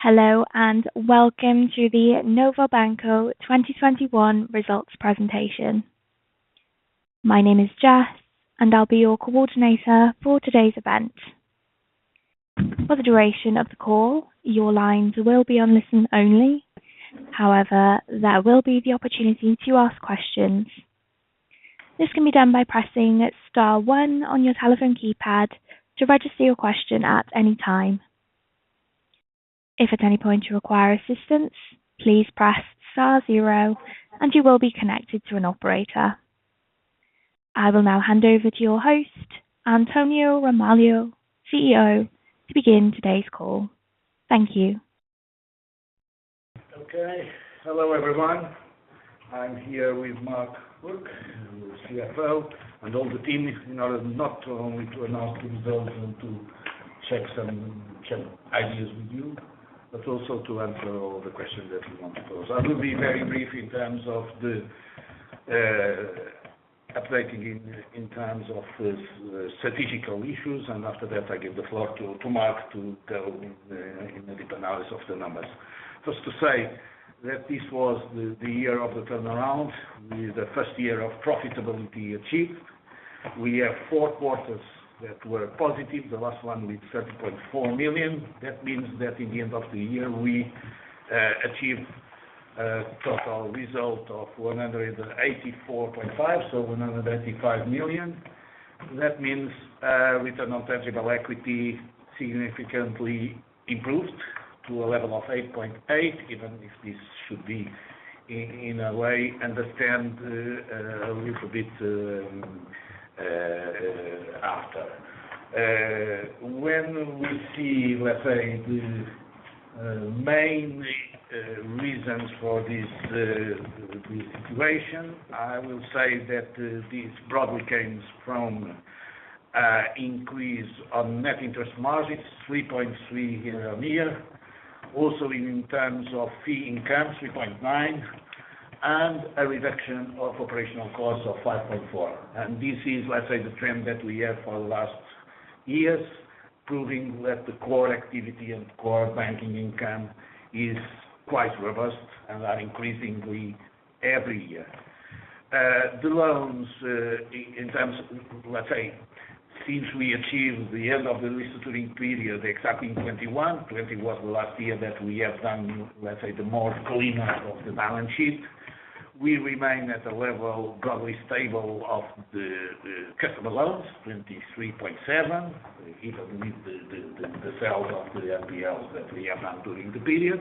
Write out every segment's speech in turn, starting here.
Hello, and welcome to the Novo Banco 2021 Results Presentation. My name is Jess, and I'll be your coordinator for today's event. For the duration of the call, your lines will be on listen-only. However, there will be the opportunity to ask questions. This can be done by pressing star one on your telephone keypad to register your question at any time. If at any point you require assistance, please press star zero, and you will be connected to an operator. I will now hand over to your host, António Ramalho, CEO, to begin today's call. Thank you. Okay. Hello, everyone. I'm here with Mark Bourke, the CFO, and all the team in order not only to announce the results and to check some ideas with you, but also to answer all the questions that you want to pose. I will be very brief in terms of the update on the strategic issues, and after that, I give the floor to Mark Bourke for a deep analysis of the numbers. Just to say that this was the year of the turnaround, the first year of profitability we achieved. We have four quarters that were positive, the last one with 7.4 million. That means that at the end of the year, we achieved a total result of 184.5 million, so 185 million. That means, return on tangible equity significantly improved to a level of 8.8%, even if this should be in a way understood a little bit after. When we see, let's say, the main reasons for this situation, I will say that this broadly comes from increase on net interest margins, 3.3% year-on-year. Also in terms of fee income, 3.9%, and a reduction of operational costs of 5.4%. This is, let's say, the trend that we have for the last years, proving that the core activity and core banking income is quite robust and are increasingly every year. The loans in terms, let's say, since we achieved the end of the restructuring period, exactly in 2021. 2021 was the last year that we have done, let's say, the more cleanup of the balance sheet. We remain at a level broadly stable of the customer loans, 23.7 billion, even with the sales of the NPL that we have done during the period.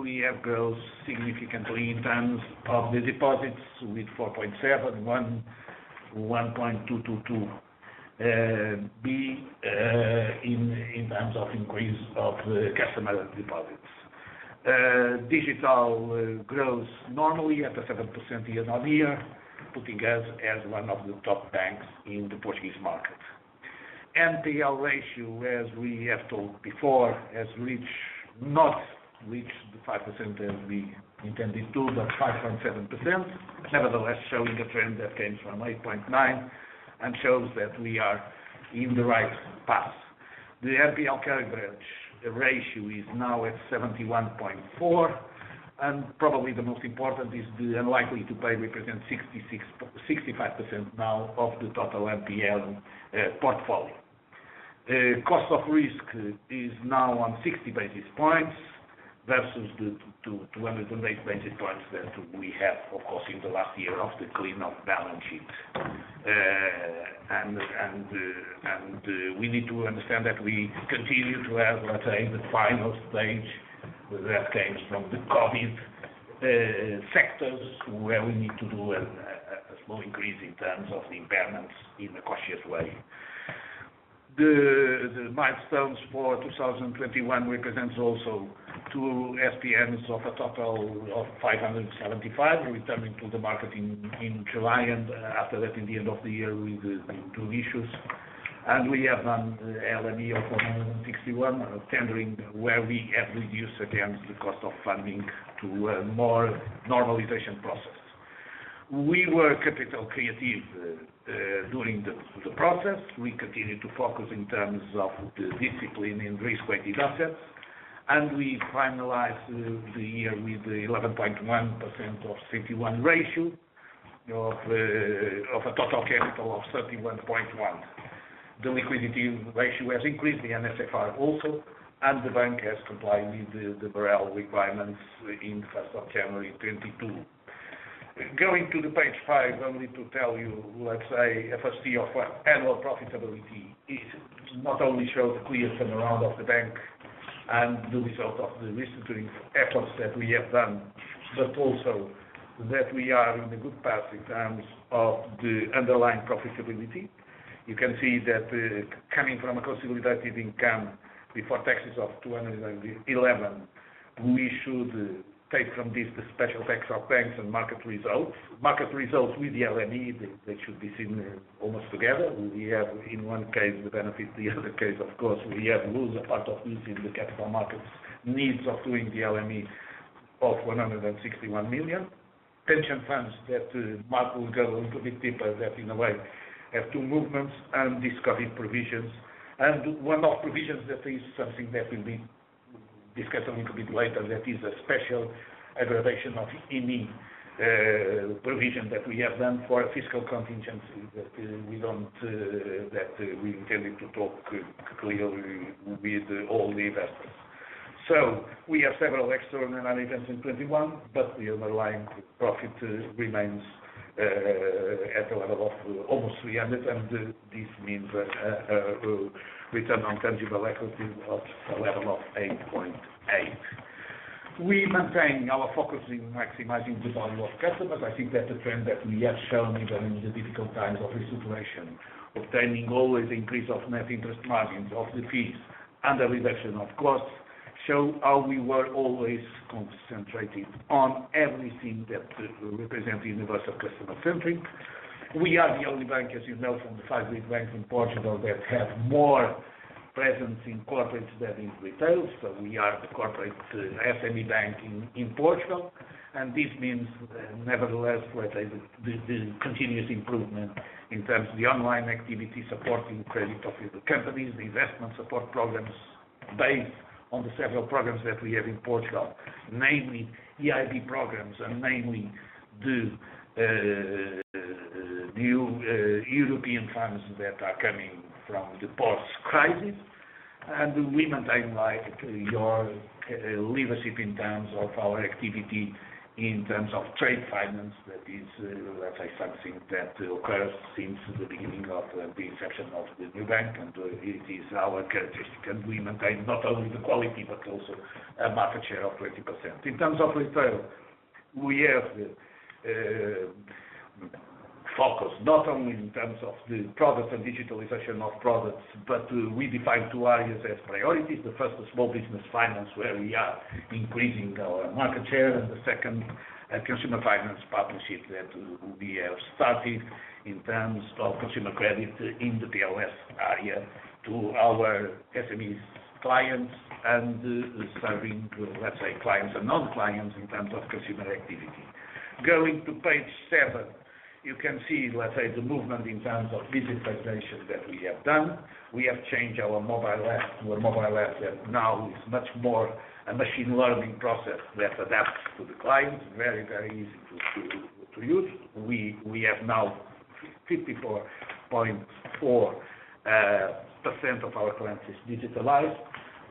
We have growth significantly in terms of the deposits with 47.1 billion, 1.222 billion in terms of increase of customer deposits. Digital grows normally at a 7% year-on-year, putting us as one of the top banks in the Portuguese market. NPL ratio, as we have told before, has not reached the 5% as we intended to, but 5.7%. Nevertheless, showing a trend that came from 8.9% and shows that we are in the right path. The NPL coverage ratio is now at 71.4, and probably the most important is the unlikely to pay represent 65% now of the total NPL portfolio. Cost of risk is now on 60 basis points versus the 208 basis points that we have, of course, in the last year of the cleanup of balance sheet. We need to understand that we continue to have, let's say, the final stage that comes from the COVID sectors where we need to do a small increase in terms of the impairments in a cautious way. The milestones for 2021 represent also two SPMs of a total of 575 returning to the market in July and after that in the end of the year with the two issues. We have done LME of 161 tendering, where we have reduced again the cost of funding to a more normalization process. We were capital accretive during the process. We continued to focus in terms of the discipline in risk-weighted assets, and we finalized the year with 11.1% CET1 ratio of a total capital of 31.1. The liquidity ratio has increased, the NSFR also, and the bank has complied with the MREL requirements in January 1, 2022. Going to page five, only to tell you, let's say, first year of annual profitability is not only show the clear turnaround of the bank and the result of the restructuring efforts that we have done, but also that we are in the good path in terms of the underlying profitability. You can see that, coming from a consolidated income before taxes of 211, we should take from this the special effects of the bank's and market results. Market results with the LME, they should be seen almost together. We have in one case the benefit, the other case of course we have loss, a part of losing the capital markets needs of doing the LME of 161 million. Pension funds that Mark will go a little bit deeper into that in a way, have two movements and discovered provisions. One of the provisions that is something that will be discussed a little bit later, that is a special aggravation of any provision that we have done for our fiscal contingency, that we intended to talk clearly with all the investors. We have several extraordinary events in 2021, but the underlying profit remains at a level of almost 300, and this means return on tangible equity of 11 or 8.8%. We maintain our focus in maximizing the value of customers. I think that's a trend that we have shown even in the difficult times of recession. Obtaining always increase of net interest margins and the fees and the reduction of costs show how we were always concentrated on everything that represent the universe of customer centric. We are the only bank, as you know, from the five big banks in Portugal that have more presence in corporate than in retail. We are the corporate SME bank in Portugal. This means nevertheless, let's say, the continuous improvement in terms of the online activity supporting credit of the companies, the investment support programs based on the several programs that we have in Portugal. Namely, EIB programs and namely the European funds that are coming from the post-crisis. We maintain like your leadership in terms of our activity, in terms of trade finance. That is, let's say something that occurs since the beginning of the inception of the new bank. It is our characteristic agreement and not only the quality, but also a market share of 20%. In terms of retail, we have focus not only in terms of the products and digitalization of products, but we define two areas as priorities. The first is small business finance, where we are increasing our market share, and the second, consumer finance partnership that we have started in terms of consumer credit in the POS area to our SMEs clients and serving, let's say, clients and non-clients in terms of consumer activity. Going to page seven, you can see, let's say, the movement in terms of digitalization that we have done. We have changed our mobile app. Our mobile app now is much more a machine learning process that adapts to the client. Very easy to use. We have now 54.4% of our clients is digitalized,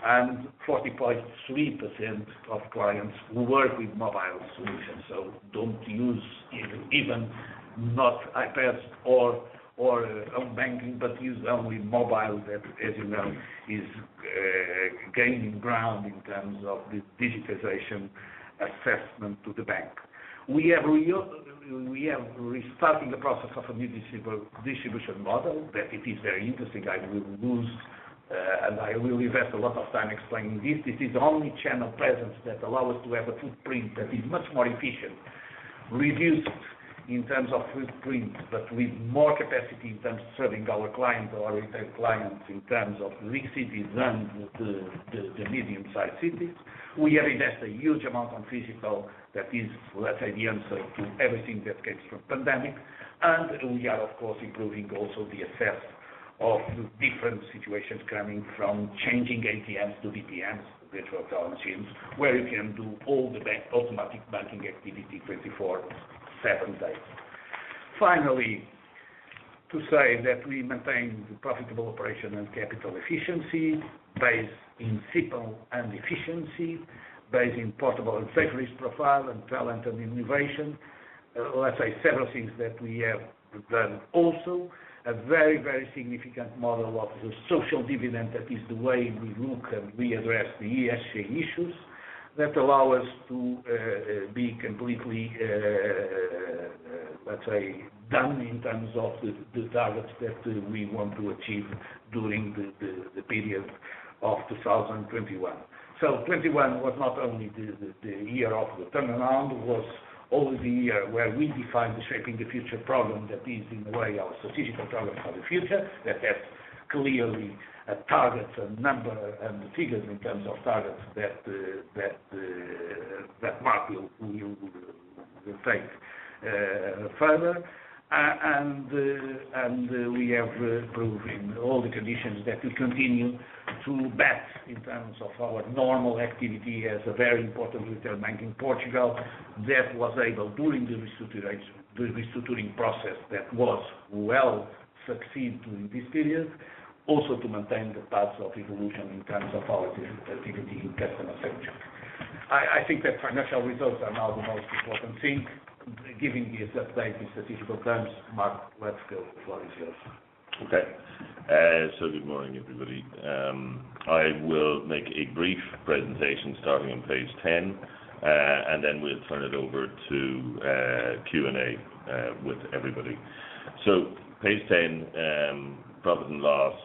and 40.3% of clients work with mobile solutions. Don't use, not even iPass or online banking, but use only mobile that, as you know, is gaining ground in terms of the digitalization assessment to the bank. We are restarting the process of a new distribution model that it is very interesting. I will use and I will invest a lot of time explaining this. This is the only channel presence that allow us to have a footprint that is much more efficient, reduced in terms of footprint, but with more capacity in terms of serving our clients or retail clients in terms of big cities and the medium-sized cities. We have invested a huge amount on physical that is, let's say, the answer to everything that comes from the pandemic. We are of course improving also the access to different situations coming from changing ATMs to DPMs, digital lounges, where you can do all the basic automatic banking activity 24/7. We maintain the profitable operation and capital efficiency based on people and efficiency, based on profitable and safe risk profile and talent and innovation. We have done several things. We have a very, very significant model of the social dividend. That is the way we look and we address the ESG issues that allow us to be completely, let's say, done in terms of the targets that we want to achieve during the period of 2021. 2021 was not only the year of the turnaround, it was also the year where we defined the Shaping the Future program. That is in a way our statistical problem for the future that has clearly a target, a number, and figures in terms of targets that Mark will take further. We have proven all the conditions that we continue to bet in terms of our normal activity as a very important retail bank in Portugal that was able during the restructuring process that was well succeed during this period also to maintain the path of evolution in terms of our activity in customer centric. I think that financial results are now the most important thing, giving the update in statistical terms. Mark, let's go. The floor is yours. Good morning, everybody. I will make a brief presentation starting on page 10, and then we'll turn it over to Q&A with everybody. Page 10, profit and loss.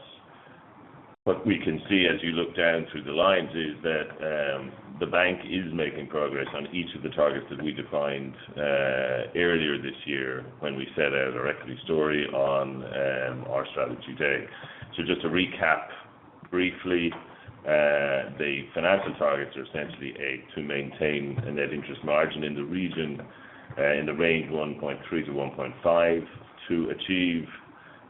What we can see as you look down through the lines is that the bank is making progress on each of the targets that we defined earlier this year when we set out our equity story on our strategy day. Just to recap briefly, the financial targets are essentially to maintain a net interest margin in the region in the range 1.3%-1.5% to achieve,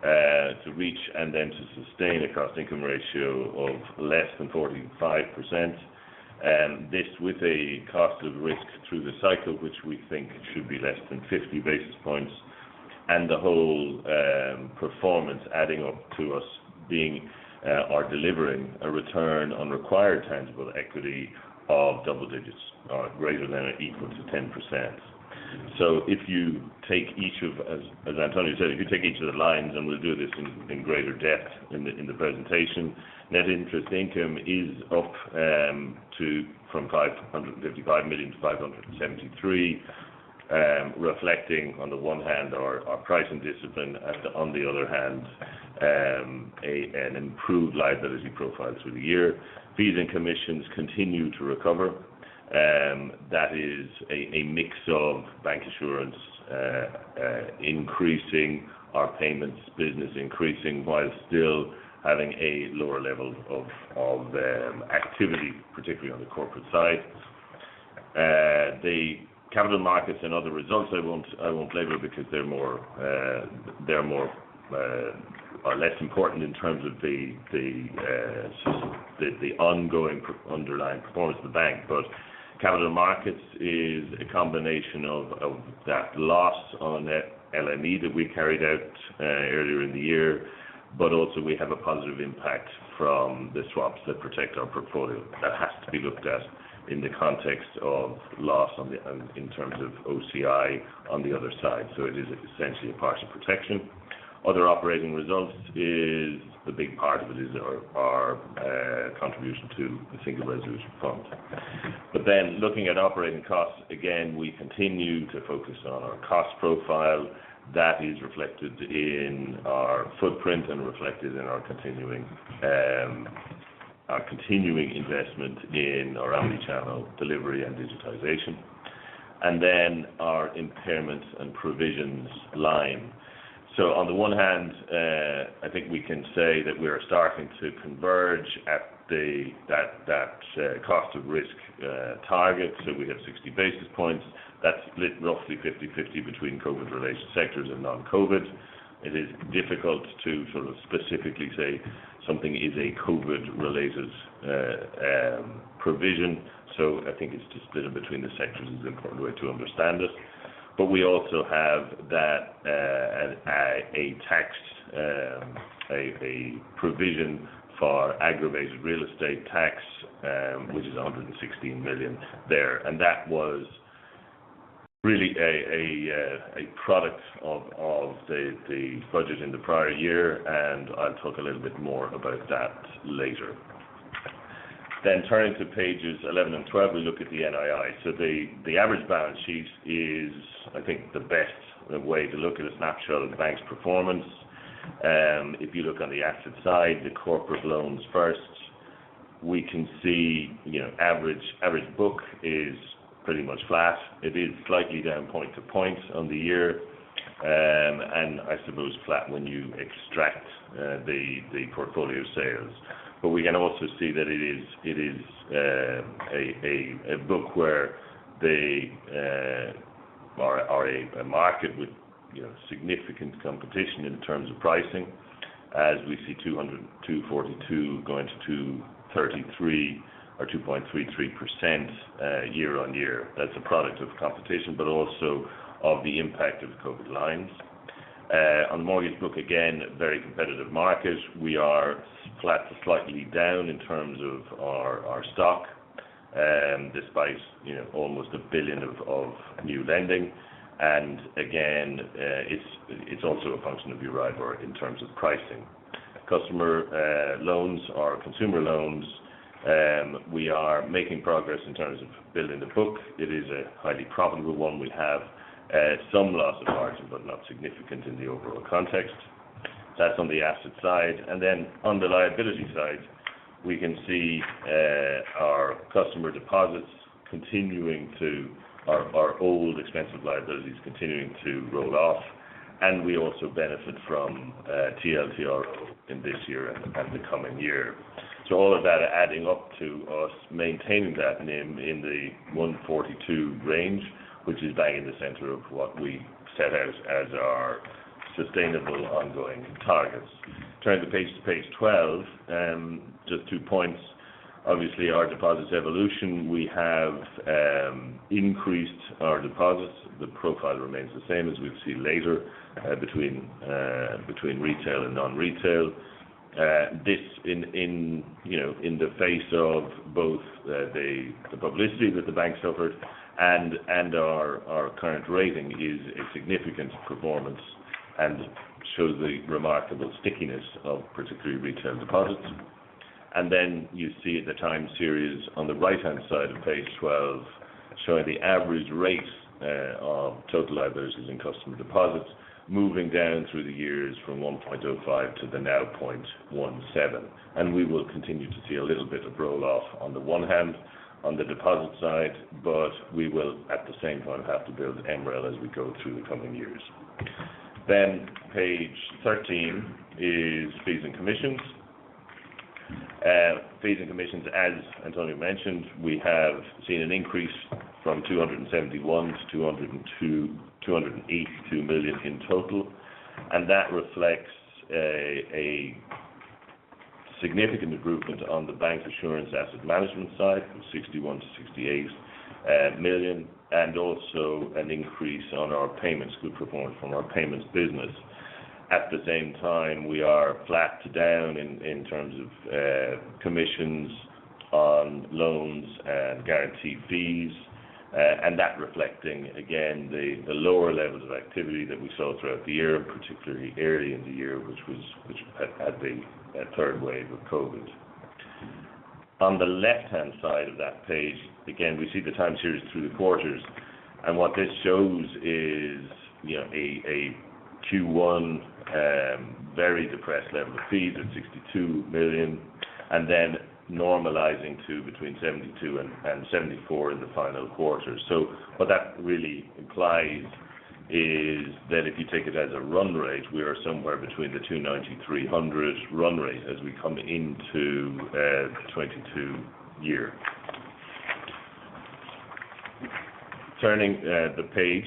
to reach and then to sustain a cost income ratio of less than 45%. This with a cost of risk through the cycle, which we think should be less than 50 basis points. The whole performance adding up to us being or delivering a return on required tangible equity of double digits or greater than or equal to 10%. If you take each of the lines, as António said, we'll do this in greater depth in the presentation. Net interest income is up from 555 million to 573 million, reflecting on the one hand our pricing discipline and on the other hand an improved liability profile through the year. Fees and commissions continue to recover. That is a mix of bancassurance, increasing our payments business while still having a lower level of activity, particularly on the corporate side. The capital markets and other results, I won't labor because they're more or less important in terms of the ongoing underlying performance of the bank. Capital markets is a combination of that loss on net LME that we carried out earlier in the year, but also we have a positive impact from the swaps that protect our portfolio. That has to be looked at in the context of loss on the in terms of OCI on the other side. It is essentially a partial protection. Other operating results is the big part of it, our contribution to the Single Resolution Fund. Looking at operating costs, again, we continue to focus on our cost profile that is reflected in our footprint and reflected in our continuing investment in our omni-channel delivery and digitization. Our impairments and provisions line. On the one hand, I think we can say that we're starting to converge at the cost of risk target. We have 60 basis points that's split roughly 50/50 between COVID-related sectors and non-COVID. It is difficult to sort of specifically say something is a COVID-related provision. I think it's just split it between the sectors is important way to understand it. We also have a provision for aggravated real estate tax, which is 116 million there. That was really a product of the budget in the prior year, and I'll talk a little bit more about that later. Turning to pages 11 and 12, we look at the NII. The average balance sheet is, I think, the best way to look at a snapshot of the bank's performance. If you look on the asset side, the corporate loans first, we can see, you know, average book is pretty much flat. It is slightly down point to point on the year. I suppose flat when you extract the portfolio sales. It is a book or a market with, you know, significant competition in terms of pricing as we see 2.42 going to 2.33% year-over-year. That's a product of competition, but also of the impact of COVID loans. On mortgage book, again, very competitive market. We are flat to slightly down in terms of our stock, despite, you know, almost 1 billion of new lending. Again, it's also a function of Euribor in terms of pricing. Customer loans or consumer loans, we are making progress in terms of building the book. It is a highly profitable one. We have some loss of margin, but not significant in the overall context. That's on the asset side. On the liability side, we can see our old expensive liabilities continuing to roll off. We also benefit from TLTRO in this year and the coming year. All of that adding up to us maintaining that NIM in the 142 range, which is bang in the center of what we set out as our sustainable ongoing targets. Turning to page 12, just two points. Obviously, our deposits evolution, we have increased our deposits. The profile remains the same as we'll see later between retail and non-retail. This in you know in the face of both the publicity that the bank suffered and our current rating is a significant performance and shows the remarkable stickiness of particularly retail deposits. You see the time series on the right-hand side of page 12, showing the average rate of total liabilities and customer deposits moving down through the years from 1.05% to now 0.17%. We will continue to see a little bit of roll-off on the one hand, on the deposit side, but we will, at the same time, have to build MREL as we go through the coming years. Page 13 is fees and commissions. Fees and commissions, as António mentioned, we have seen an increase from 271 million to 282 million in total. That reflects a significant improvement on the bank's insurance asset management side, from 61 million to 68 million, and also an increase on our payments, good performance from our payments business. At the same time, we are flat to down in terms of commissions on loans and guaranteed fees. That reflecting again the lower levels of activity that we saw throughout the year, particularly early in the year, which had the third wave of COVID. On the left-hand side of that page, again, we see the time series through the quarters. What this shows is, you know, a Q1 very depressed level of fees of 62 million, and then normalizing to between 72 million and 74 million in the final quarter. What that really implies is that if you take it as a run rate, we are somewhere between the 290, 300 run rate as we come into the 2022 year. Turning the page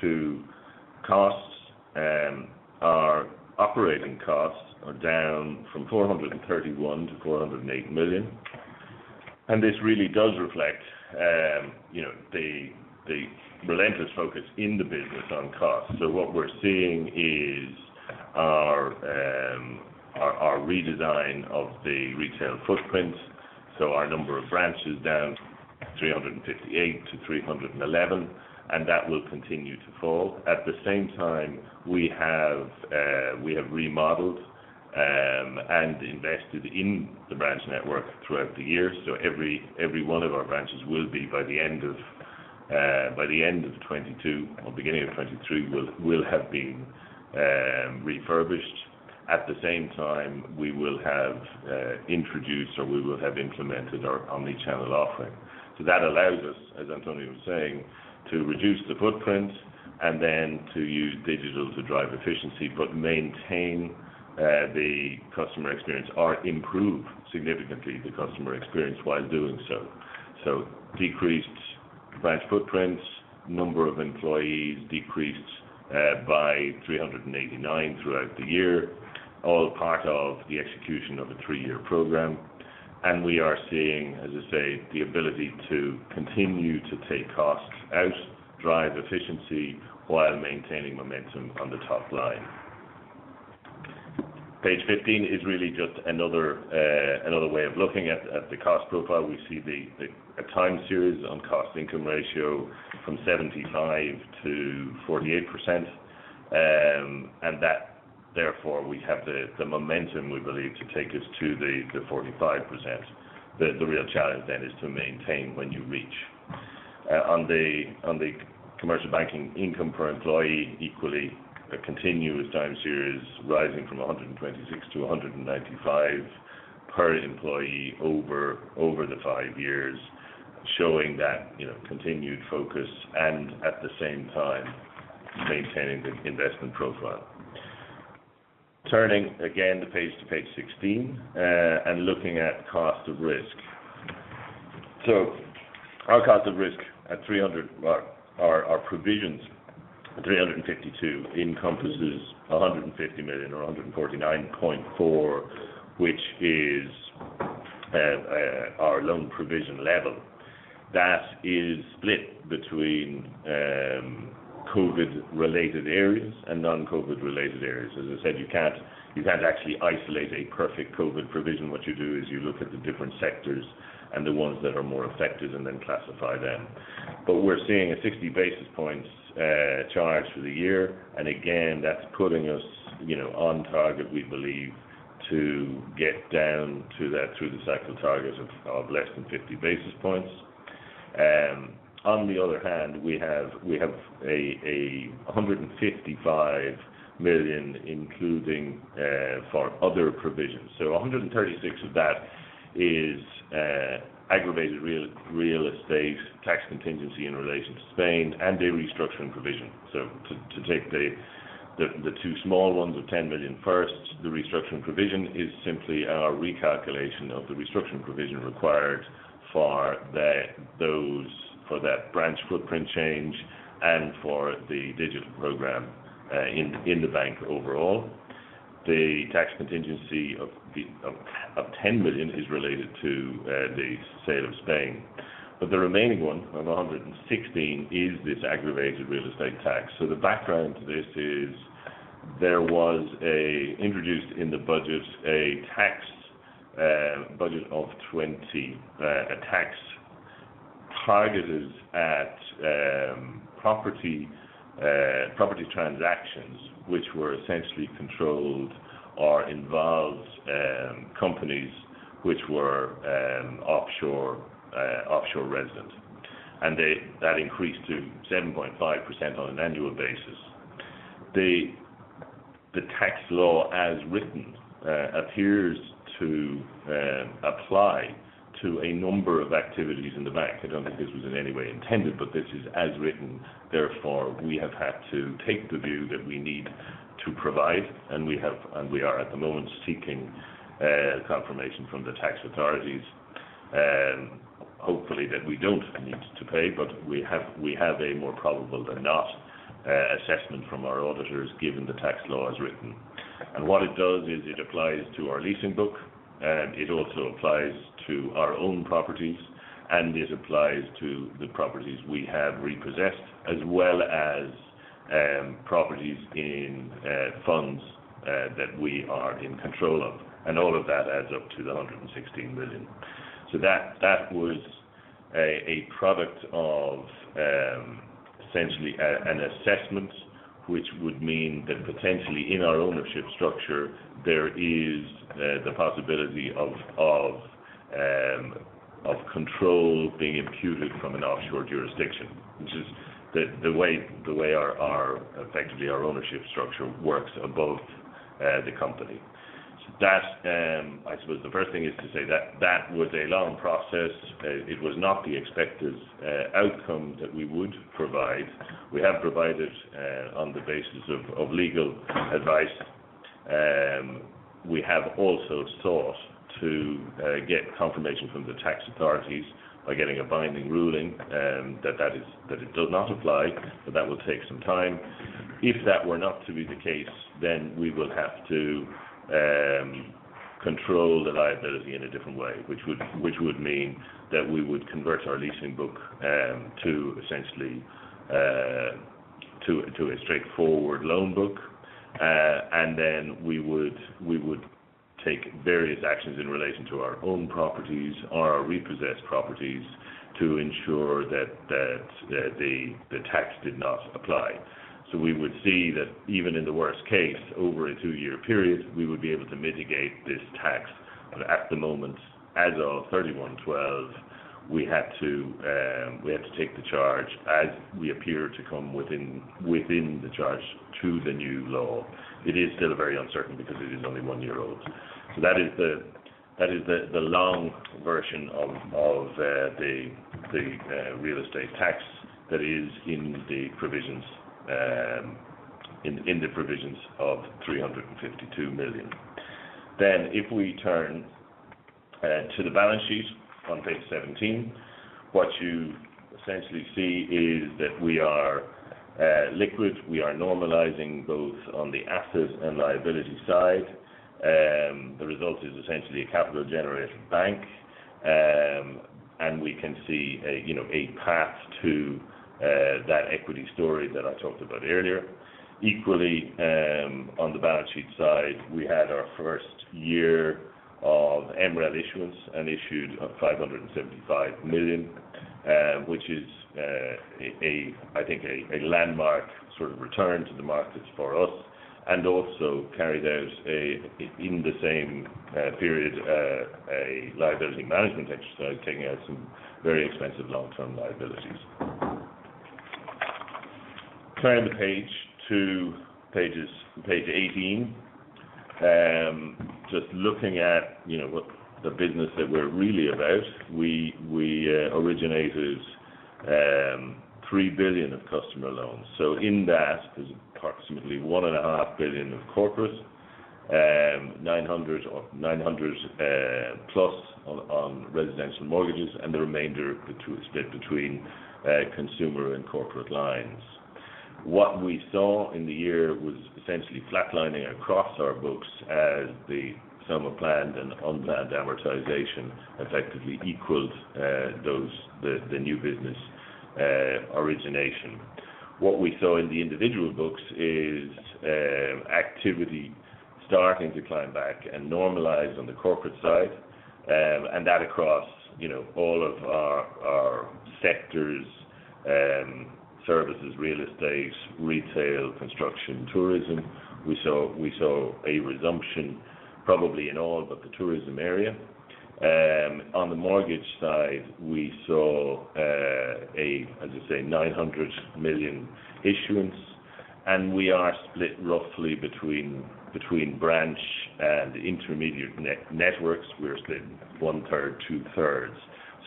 to costs. Our operating costs are down from 431 million to 408 million. This really does reflect, you know, the relentless focus in the business on costs. What we're seeing is our redesign of the retail footprint. Our number of branches down 358 to 311, and that will continue to fall. At the same time we have remodeled and invested in the branch network throughout the year. Every one of our branches will be by the end of 2022 or beginning of 2023, will have been refurbished. At the same time, we will have introduced or we will have implemented our omni-channel offering. That allows us, as António was saying, to reduce the footprint and then to use digital to drive efficiency, but maintain the customer experience or improve significantly the customer experience while doing so. Decreased branch footprints, number of employees decreased by 389 throughout the year, all part of the execution of a three-year program. We are seeing, as I say, the ability to continue to take costs out, drive efficiency while maintaining momentum on the top line. Page 15 is really just another way of looking at the cost profile. We see a time series on cost income ratio from 75%-48%. That therefore we have the momentum we believe to take us to the 45%. The real challenge then is to maintain when you reach. On the commercial banking income per employee, equally a continuous time series rising from 126 to 195 per employee over the five years, showing that, you know, continued focus and at the same time maintaining the investment profile. Turning again the page to page 16, and looking at cost of risk. Our cost of risk at 300 or our provisions, 352 encompasses 150 million or 149.4, which is our loan provision level. That is split between COVID related areas and non-COVID related areas. As I said, you can't actually isolate a perfect COVID provision. What you do is you look at the different sectors and the ones that are more affected and then classify them. We're seeing a 60 basis points charge for the year. Again, that's putting us, you know, on target, we believe, to get down to that through the cycle target of less than 50 basis points. On the other hand, we have 155 million, including for other provisions. 136 million of that is aggravated real estate tax contingency in relation to Spain and a restructuring provision. To take the two small ones of 10 million first, the restructuring provision is simply our recalculation of the restructuring provision required for that branch footprint change and for the digital program in the bank overall. The tax contingency of 10 million is related to the sale of Spain. The remaining one of 116 is this aggravated real estate tax. The background to this is there was introduced in the budget of 2020 a tax targeted at property transactions, which were essentially controlled or involved companies which were offshore resident. That increased to 7.5% on an annual basis. The tax law as written appears to apply to a number of activities in the bank. I don't think this was in any way intended, but this is as written. Therefore, we have had to take the view that we need to provide, and we are at the moment seeking confirmation from the tax authorities, hopefully that we don't need to pay, but we have a more probable than not assessment from our auditors given the tax law as written. What it does is it applies to our leasing book, it also applies to our own properties, and it applies to the properties we have repossessed, as well as properties in funds that we are in control of. All of that adds up to 116 million. That was a product of essentially an assessment, which would mean that potentially in our ownership structure, there is the possibility of control being imputed from an offshore jurisdiction, which is the way our ownership structure effectively works above the company. I suppose the first thing is to say that was a long process. It was not the expected outcome that we would provide. We have provided on the basis of legal advice. We have also sought to get confirmation from the tax authorities by getting a binding ruling that it does not apply, but that will take some time. If that were not to be the case, then we will have to control the liability in a different way, which would mean that we would convert our leasing book to essentially a straightforward loan book. Then we would take various actions in relation to our own properties or our repossessed properties to ensure that the tax did not apply. We would see that even in the worst case, over a two-year period, we would be able to mitigate this tax. At the moment, as of December 31, we had to take the charge as we appear to come within the charge to the new law. It is still very uncertain because it is only one year old. That is the long version of the real estate tax that is in the provisions of 352 million. If we turn to the balance sheet on page 17, what you essentially see is that we are liquid. We are normalizing both on the asset and liability side. The result is essentially a capital generation bank. We can see, you know, a path to that equity story that I talked about earlier. Equally, on the balance sheet side, we had our first year of MREL issuance and issued 575 million, which is, I think, a landmark sort of return to the markets for us, and also carried out in the same period a liability management exercise, taking out some very expensive long-term liabilities. Turning the page to page 18. Just looking at, you know, what the business that we're really about, we originated 3 billion of customer loans. So in that is approximately 1.5 billion of corporate, 900 million or so on residential mortgages, and the remainder to extend between consumer and corporate lines. What we saw in the year was essentially flatlining across our books as the sum of planned and unplanned amortization effectively equaled the new business origination. What we saw in the individual books is activity starting to climb back and normalize on the corporate side, and that across, you know, all of our sectors, services, real estate, retail, construction, tourism. We saw a resumption probably in all but the tourism area. On the mortgage side, we saw, as I say, 900 million issuance. We are split roughly between branch and intermediary networks. We are split one third, two thirds.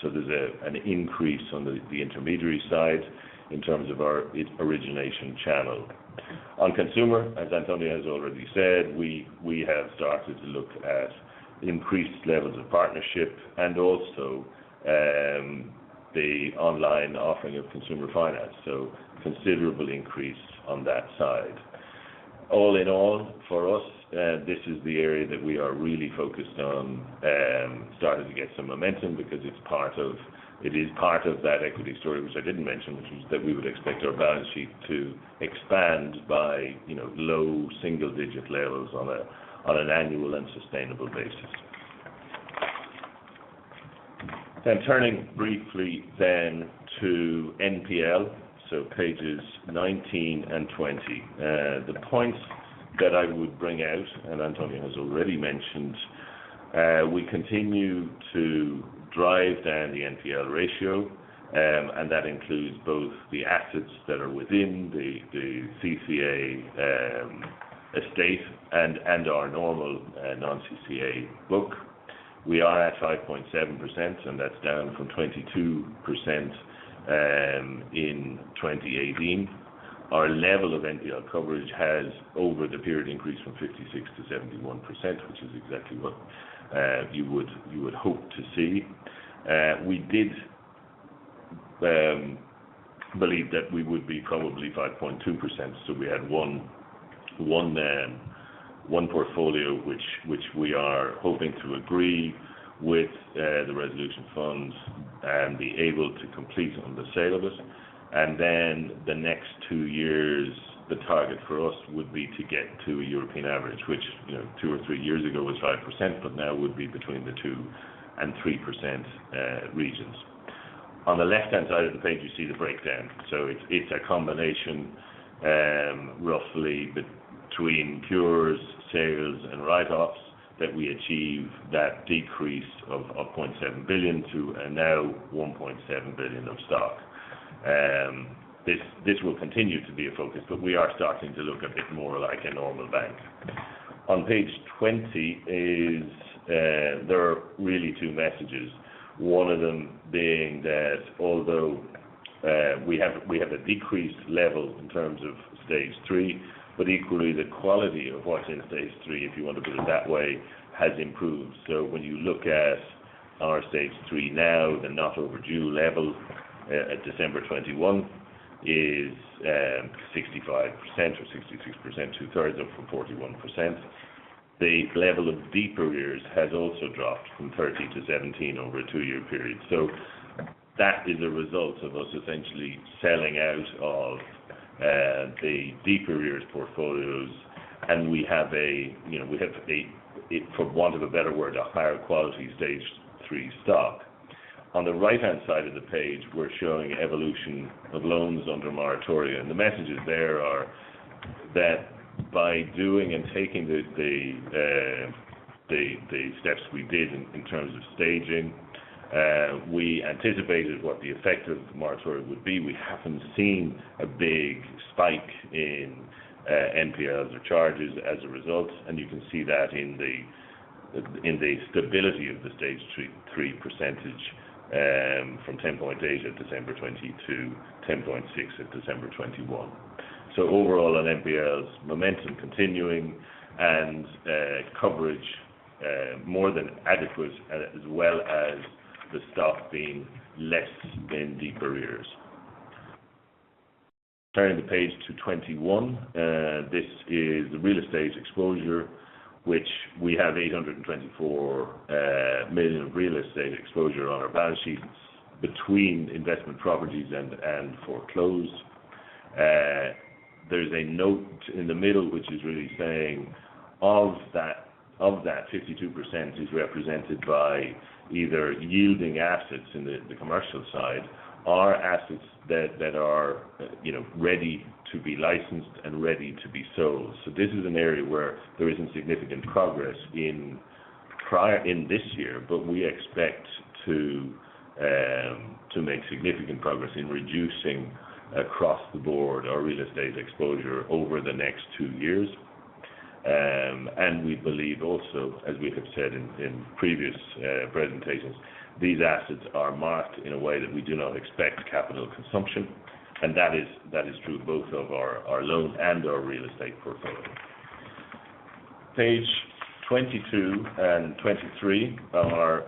There's an increase on the intermediary side in terms of our intermediary origination channel. On consumer, as António has already said, we have started to look at increased levels of partnership and also the online offering of consumer finance, so considerable increase on that side. All in all, for us, this is the area that we are really focused on, starting to get some momentum because it is part of that equity story which I didn't mention, which was that we would expect our balance sheet to expand by, you know, low single digit levels on an annual and sustainable basis. Turning briefly to NPL, pages 19 and 20. The point that I would bring out, and António has already mentioned, we continue to drive down the NPL ratio, and that includes both the assets that are within the CCA estate and our normal non-CCA book. We are at 5.7%, and that's down from 22% in 2018. Our level of NPL coverage has, over the period, increased from 56%-71%, which is exactly what you would hope to see. We did believe that we would be probably 5.2%. We had one portfolio which we are hoping to agree with the resolution funds and be able to complete on the sale of it. Then the next two years, the target for us would be to get to a European average, which, you know, two or three years ago was 5%, but now would be between the 2% and 3% regions. On the left-hand side of the page, you see the breakdown. It's a combination roughly between cures, sales, and write-offs that we achieve that decrease of 0.7 billion to a now 1.7 billion of stock. This will continue to be a focus, but we are starting to look a bit more like a normal bank. On page 20, there are really two messages. One of them being that although we have a decreased level in terms of stage three, but equally the quality of what's in stage three, if you want to put it that way, has improved. When you look at our stage three now, the not overdue level at December 2021 is 65% or 66%, two-thirds of them from 41%. The level of deeper arrears has also dropped from 13%-17% over a two-year period. That is a result of us essentially selling out of the deeper years portfolios, and we have a, you know, for want of a better word, a higher quality stage three stock. On the right-hand side of the page, we're showing evolution of loans under moratoria. The messages there are that by doing and taking the steps we did in terms of staging, we anticipated what the effect of moratoria would be. We haven't seen a big spike in NPLs or charges as a result, and you can see that in the stability of the stage three percentage from 10.8% at December 2020 to 10.6% at December 2021. Overall on NPLs, momentum continuing and coverage more than adequate, as well as the stock being less in deeper arrears. Turning the page to 21, this is the real estate exposure, which we have 824 million of real estate exposure on our balance sheets between investment properties and foreclosed. There's a note in the middle which is really saying that 52% is represented by either yielding assets in the commercial side or assets that are, you know, ready to be listed and ready to be sold. This is an area where there isn't significant progress in this year, but we expect to make significant progress in reducing across the board our real estate exposure over the next two years. We believe also, as we have said in previous presentations, these assets are marked in a way that we do not expect capital consumption, and that is true both of our loan and our real estate portfolio. Page 22 and 23 are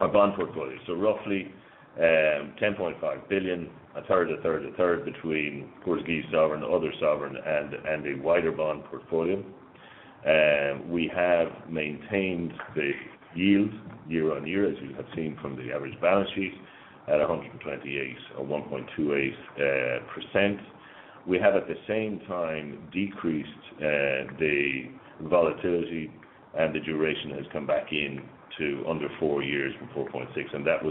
our bond portfolio. Roughly, 10.5 billion, a third, a third, a third between Portuguese sovereign, other sovereign and a wider bond portfolio. We have maintained the yield year on year, as you have seen from the average balance sheet at 128 or 1.28%. We have at the same time decreased the volatility, and the duration has come back in to under 4 years from 4.6, and that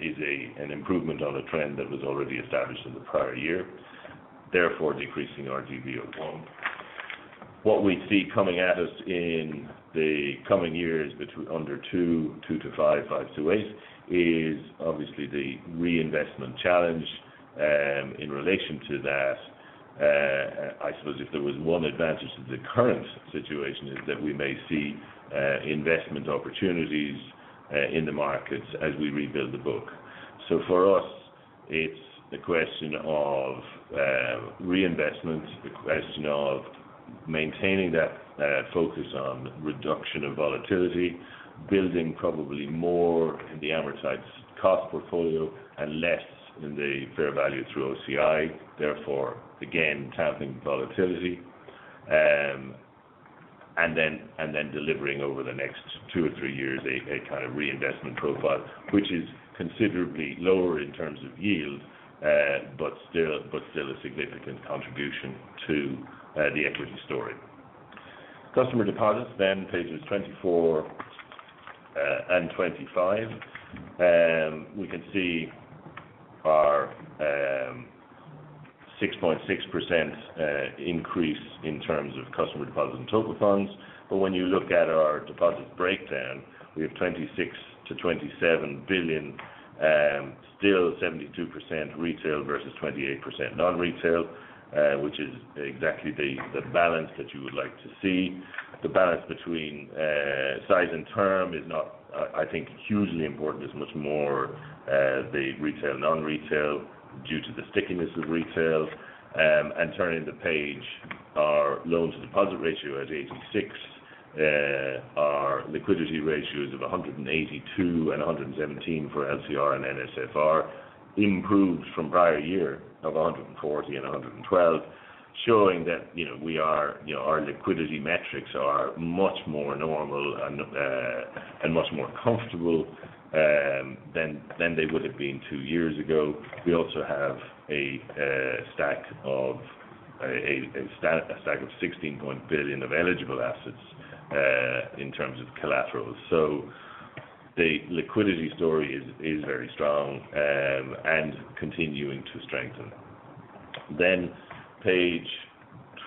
is an improvement on a trend that was already established in the prior year, therefore decreasing our DV01. What we see coming at us in the coming years between under 2-5, 5-8 is obviously the reinvestment challenge. In relation to that, I suppose if there was one advantage to the current situation is that we may see investment opportunities in the markets as we rebuild the book. For us, it's a question of reinvestment, a question of maintaining that focus on reduction of volatility, building probably more in the amortized cost portfolio and less in the fair value through OCI, therefore, again, taming volatility. Delivering over the next 2 or 3 years a kind of reinvestment profile, which is considerably lower in terms of yield, but still a significant contribution to the equity story. Customer deposits, then pages 24 and 25. We can see our 6.6% increase in terms of customer deposits and total funds. But when you look at our deposit breakdown, we have 26 billion-27 billion, still 72% retail versus 28% non-retail, which is exactly the balance that you would like to see. The balance between size and term is not, I think, hugely important as much more the retail non-retail due to the stickiness of retail. Turning the page, our loan-to-deposit ratio at 86. Our liquidity ratios of 182 and 117 for LCR and NSFR improved from prior year of 140 and 112. Showing that, you know, we are, you know, our liquidity metrics are much more normal and much more comfortable than they would have been two years ago. We also have a stack of 16 billion of eligible assets in terms of collaterals. So the liquidity story is very strong and continuing to strengthen. Page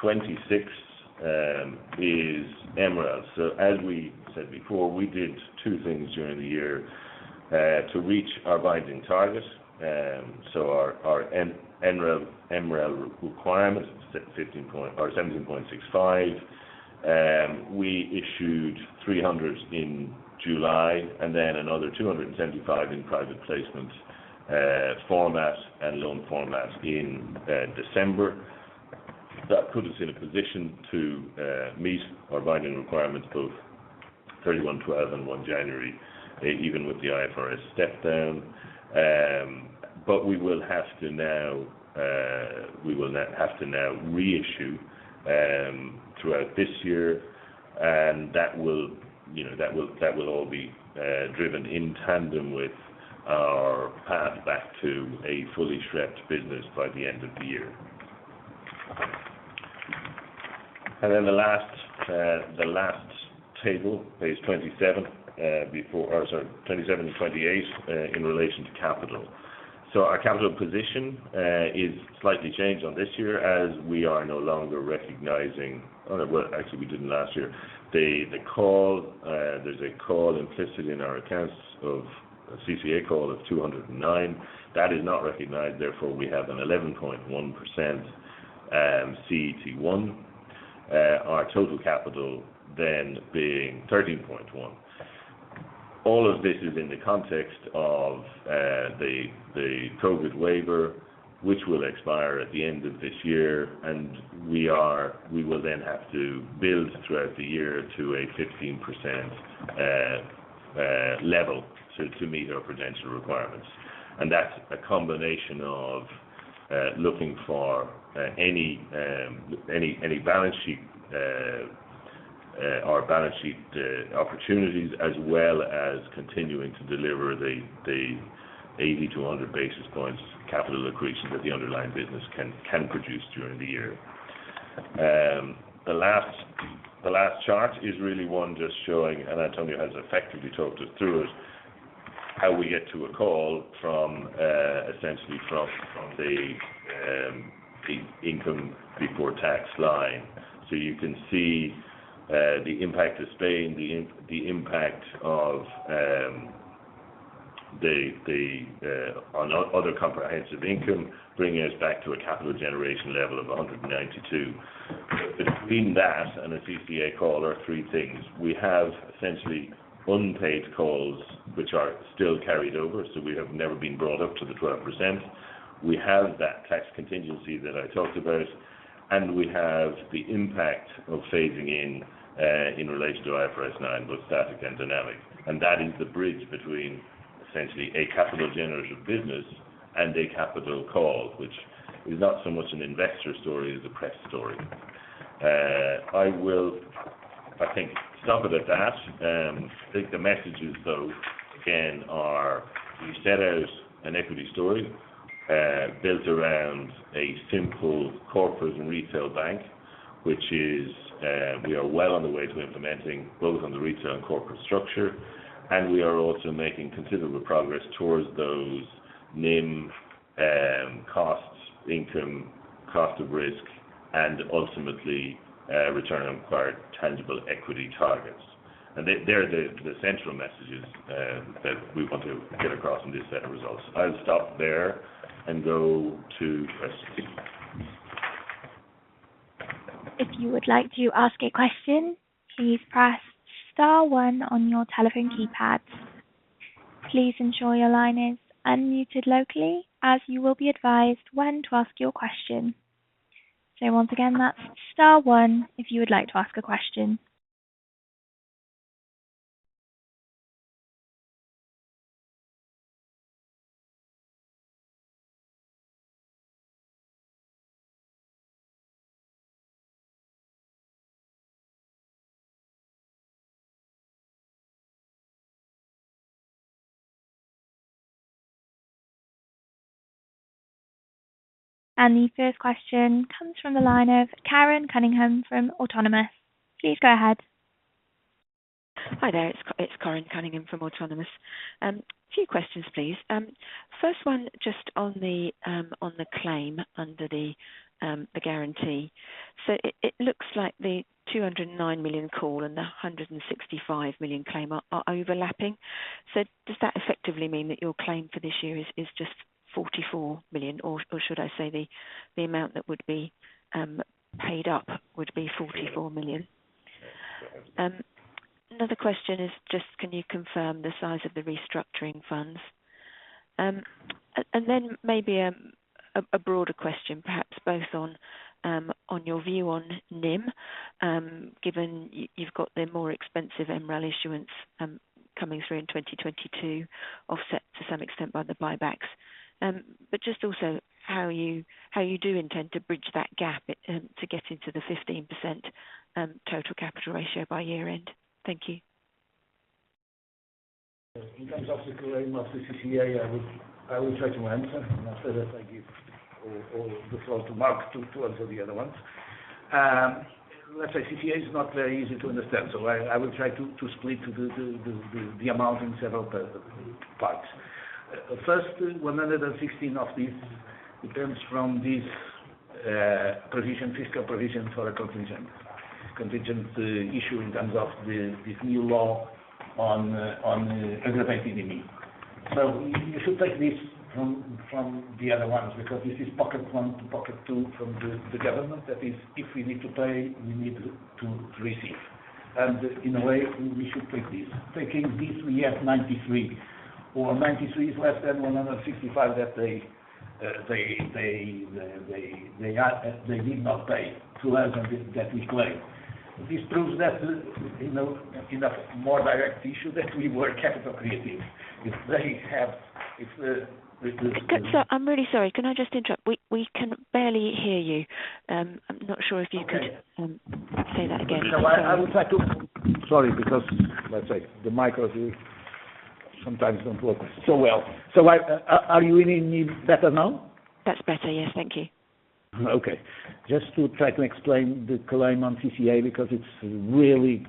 26 is MREL. So as we said before, we did two things during the year to reach our binding target. So our MREL requirement is at 15 or 17.65. We issued 300 in July, and then another 275 in private placement format and loan format in December. That put us in a position to meet our binding requirements, both 31 December and 1 January, even with the IFRS step down. We will now have to reissue throughout this year. That will, you know, all be driven in tandem with our path back to a fully SREP business by the end of the year. The last table, pages 27 and 28, in relation to capital. Our capital position is slightly changed on this year as we are no longer recognizing. Well, actually we didn't last year. There's a call implicit in our accounts of a CCA call of 209. That is not recognized, therefore, we have an 11.1% CET1. Our total capital then being 13.1%. All of this is in the context of the COVID waiver, which will expire at the end of this year. We will then have to build throughout the year to a 15% level to meet our capital requirements. That's a combination of looking for any balance sheet opportunities, as well as continuing to deliver the 80-100 basis points capital accretion that the underlying business can produce during the year. The last chart is really one just showing, and António has effectively talked us through it, how we get to a call from essentially the income before tax line. You can see the impact of Spain, the impact on other comprehensive income, bringing us back to a capital generation level of 192. Between that and a CCA call are three things. We have essentially unpaid calls which are still carried over, so we have never been brought up to the 12%. We have that tax contingency that I talked about, and we have the impact of phasing in in relation to IFRS 9, both static and dynamic. That is the bridge between essentially a capital generative business and a capital call, which is not so much an investor story as a press story. I will, I think stop it at that. I think the messages though again are we set out an equity story, built around a simple corporate and retail bank. Which is, we are well on the way to implementing both on the retail and corporate structure. We are also making considerable progress towards those NIM, costs, income, cost of risk, and ultimately, return on acquired tangible equity targets. They are the central messages, that we want to get across on this set of results. I'll stop there and go to questions. If you would like to ask a question, please press star one on your telephone keypads. Please ensure your line is unmuted locally, as you will be advised when to ask your question. So once again, that's star one if you would like to ask a question. The first question comes from the line of Corinne Cunningham from Autonomous. Please go ahead. Hi there. It's Corinne Cunningham from Autonomous. Few questions, please. First one, just on the claim under the guarantee. It looks like the 209 million call and the 165 million claim are overlapping. Does that effectively mean that your claim for this year is just 44 million or should I say the amount that would be paid up would be 44 million? Another question is just can you confirm the size of the restructuring funds? Then maybe a broader question, perhaps both on your view on NIM, given you've got the more expensive MREL issuance coming through in 2022, offset to some extent by the buybacks. Just also how you do intend to bridge that gap to get into the 15% total capital ratio by year-end. Thank you. In terms of the claim of the CCA, I will try to answer. After that, I give all the floor to Mark to answer the other ones. Let's say CCA is not very easy to understand, so I will try to split the amount in several parts. First, 116 of these depends from this provision, fiscal provision for a contingent issue in terms of this new law on aggravated IMI. So you should take this from the other ones because this is pocket one to pocket two from the government. That is, if we need to pay, we need to receive. In a way, we should take this. Taking this, we have 93. 93 is less than 165 that they did not pay. 200 that we claimed. This proves that, you know, in a more direct issue that we were capital accretive. If they have, if this- Sir, I'm really sorry. Can I just interrupt? We can barely hear you. I'm not sure if you could say that again. Sorry, because let's say the mics, we sometimes don't work so well. Are you hearing me better now? That's better, yes. Thank you. Okay. Just to try to explain the claim on CCA because it's really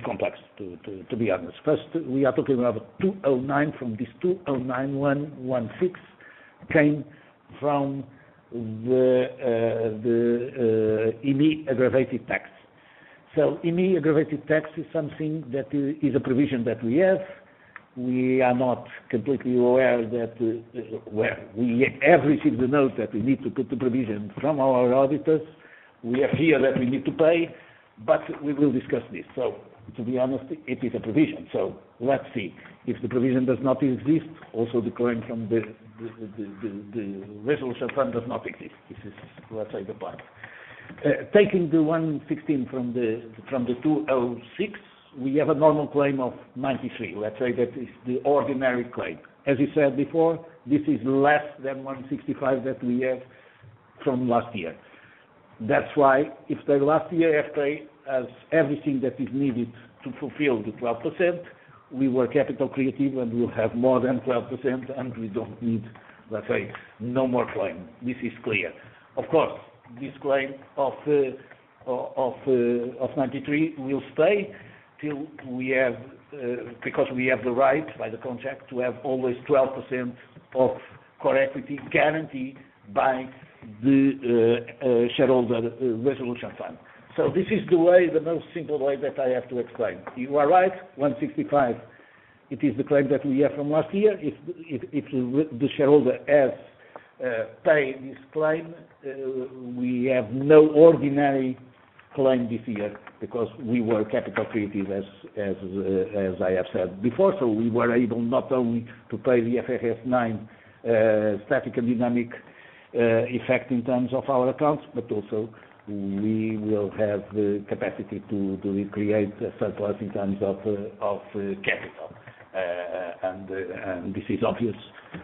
complex, to be honest. First, we are talking about 209. From this 209, 116 came from the IMI aggravated tax. IMI aggravated tax is something that is a provision that we have. We are not completely aware that we have received the note that we need to put the provision from our auditors. We are aware that we need to pay, but we will discuss this. To be honest, it is a provision. Let's see if the provision does not exist, also the claim from the resolution fund does not exist. This is, let's say, the part. Taking the 116 from the 206, we have a normal claim of 93. Let's say that is the ordinary claim. As you said before, this is less than 165 that we have from last year. That's why if the last year, SRF has everything that is needed to fulfill the 12%, we were capital accretive, and we have more than 12%, and we don't need, let's say, no more claim. This is clear. Of course, this claim of 93 will stay till we have, because we have the right by the contract to have always 12% of core equity guaranteed by the shareholder resolution fund. This is the way, the most simple way that I have to explain. You are right, 165, it is the claim that we have from last year. If the shareholder has paid this claim, we have no ordinary claim this year because we were capital accretive as I have said before. We were able not only to pay the IFRS 9 static and dynamic effect in terms of our accounts, but also we will have the capacity to recreate a surplus in terms of capital. This is obvious.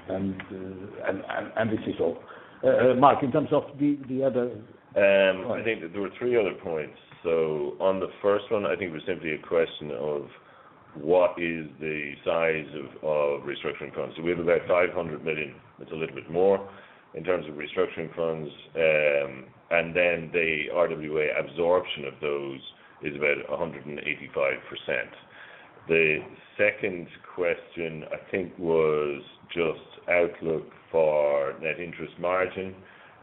This is all. Mark, in terms of the other points. I think there were three other points. On the first one, I think it was simply a question of what is the size of restructuring funds. We have about 500 million. It's a little bit more in terms of restructuring funds. The RWA absorption of those is about 185%. The second question, I think, was just outlook for net interest margin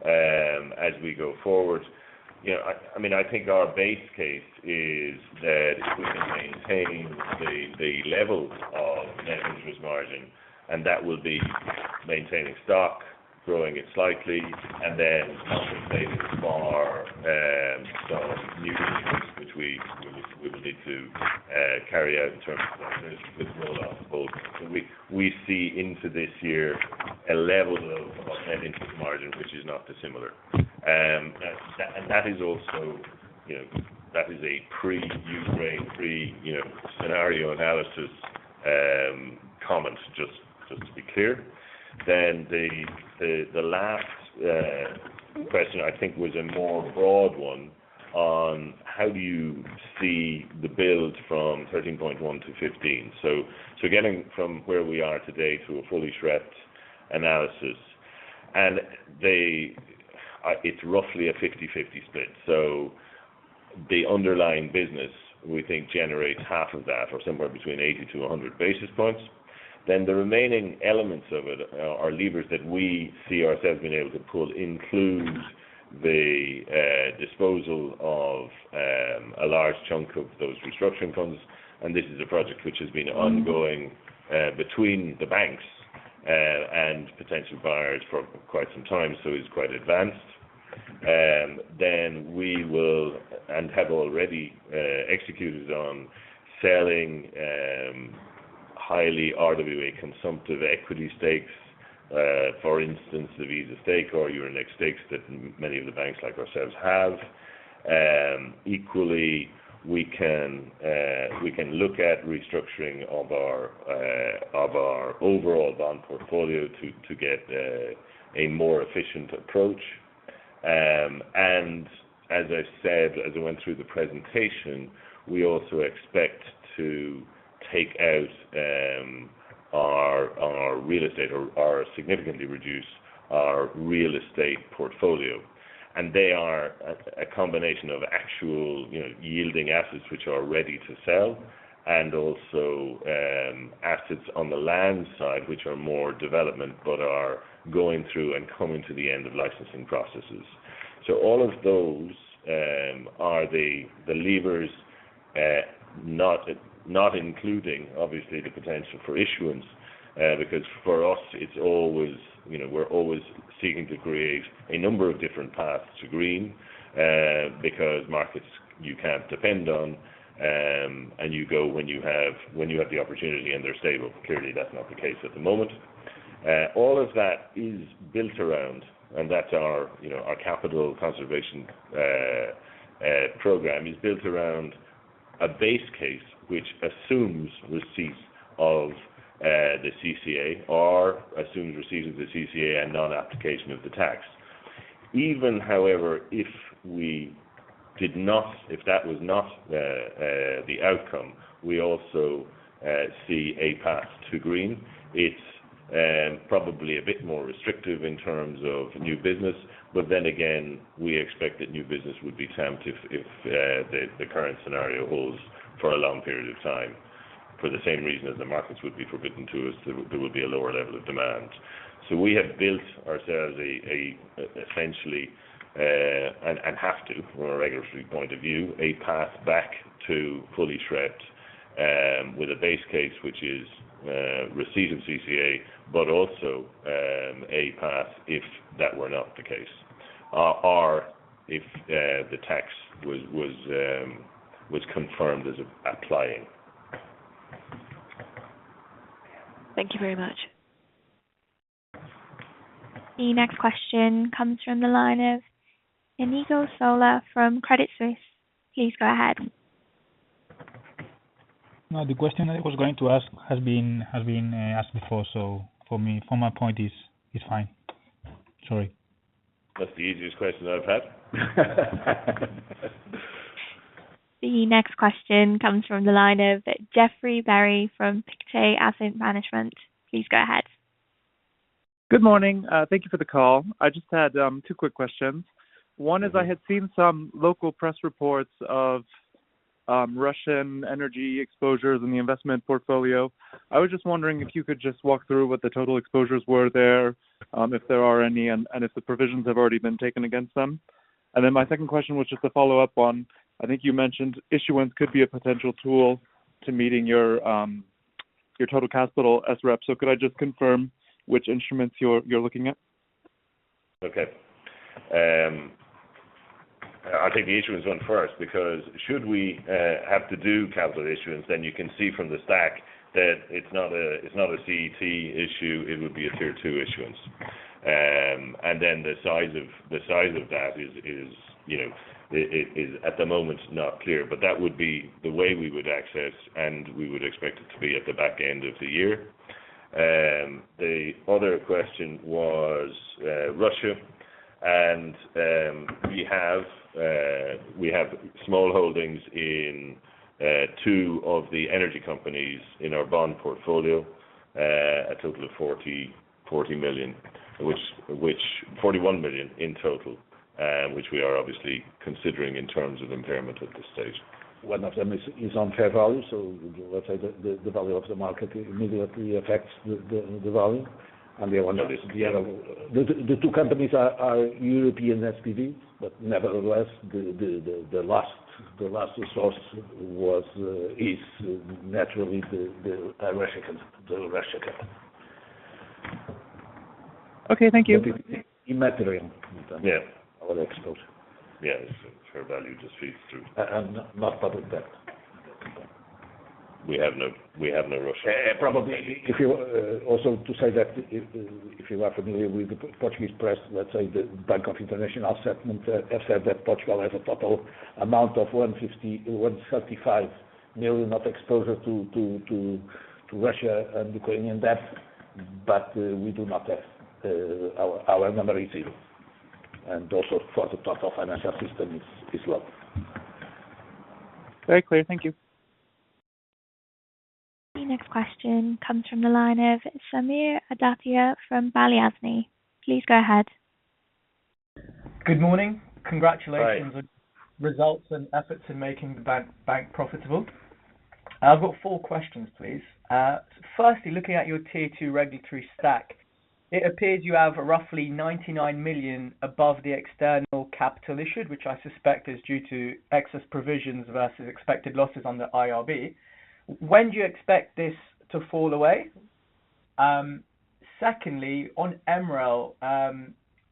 as we go forward. You know, I mean, I think our base case is that we will maintain the levels of net interest margin, and that will be maintaining stock, growing it slightly, and then compensating for some new releases which we will need to carry out in terms of the business with roll off. We see into this year a level of net interest margin, which is not dissimilar. That is also a pre-Ukraine scenario analysis comment, just to be clear. The last question I think was a more broad one on how do you see the build from 13.1%-15%. Getting from where we are today to a fully SREP analysis, it's roughly a 50/50 split. The underlying business, we think generates half of that, or somewhere between 80-100 basis points. The remaining elements of it are levers that we see ourselves being able to pull include the disposal of a large chunk of those restructuring funds. This is a project which has been ongoing between the banks and potential buyers for quite some time, so it's quite advanced. We will and have already executed on selling highly RWA consumptive equity stakes for instance, the Visa stake or Euronext stakes that many of the banks like ourselves have. Equally, we can look at restructuring of our overall bond portfolio to get a more efficient approach. As I said, as I went through the presentation, we also expect to take out our real estate or significantly reduce our real estate portfolio. They are a combination of actual, you know, yielding assets which are ready to sell and also, assets on the land side, which are more development but are going through and coming to the end of licensing processes. All of those are the levers, not including obviously the potential for issuance, because for us it's always, you know, we're always seeking to create a number of different paths to green, because markets you can't depend on, and you go when you have the opportunity and they're stable. Clearly, that's not the case at the moment. All of that is built around, and that's our, you know, our capital conservation program is built around a base case which assumes receipts of the CCA and non-application of the tax. Even however, if we did not, if that was not the outcome, we also see a path to green. It's probably a bit more restrictive in terms of new business, but then again, we expect that new business would be tamped if the current scenario holds for a long period of time. For the same reason as the markets would be forbidden to us, there would be a lower level of demand. We have built ourselves essentially a path back to fully SREP from a regulatory point of view, with a base case which is receipt of CCA, but also a path if that were not the case. If the tax was confirmed as applying. Thank you very much. The next question comes from the line of Iñigo Sola from Credit Suisse. Please go ahead. No, the question I was going to ask has been asked before. For me, from my point it's fine. Sorry. That's the easiest question I've had. The next question comes from the line of Jeffrey Berry from Pictet Asset Management. Please go ahead. Good morning. Thank you for the call. I just had two quick questions. One is I had seen some local press reports of Russian energy exposures in the investment portfolio. I was just wondering if you could just walk through what the total exposures were there, if there are any, and if the provisions have already been taken against them. My second question was just a follow-up on, I think you mentioned issuance could be a potential tool to meeting your total capital SREP. Could I just confirm which instruments you're looking at? Okay. I'll take the issuance one first because should we have to do capital issuance, then you can see from the stack that it's not a CET1 issue. It would be a tier-two issuance. And then the size of that is, you know, at the moment not clear. But that would be the way we would access, and we would expect it to be at the back end of the year. The other question was Russia and we have small holdings in two of the energy companies in our bond portfolio. A total of 40 million, which 41 million in total, which we are obviously considering in terms of impairment at this stage. One of them is on fair value. Let's say the value of the market immediately affects the value. The other one. The other two companies are European SPV, but nevertheless the last resource is naturally the Russian capital. Okay. Thank you. Immaterial. Yeah. Our exposure. Yeah. Fair value just feeds through. Not public debt. We have no Russian. Also to say that if you are familiar with the Portuguese press, let's say the Bank for International Settlements have said that Portugal has a total amount of 150 million, 135 million of exposure to Russia and Ukrainian debt. We do not have our number is zero. Also for the total financial system is low. Very clear. Thank you. The next question comes from the line of Samir Adatia from Exane BNP Paribas. Please go ahead. Good morning. Right Results and efforts in making the bank profitable. I've got four questions, please. Firstly, looking at your Tier 2 regulatory stack, it appears you have roughly 99 million above the external capital issued, which I suspect is due to excess provisions versus expected losses on the IRB. When do you expect this to fall away? Secondly, on MREL,